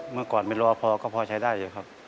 เมื่อก่อนเป็นรอพอก็พอใช้ได้ครับ